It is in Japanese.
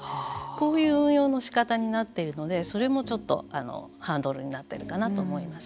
こういう運用の仕方になっているのでそれもちょっとハードルになっているかなと思います。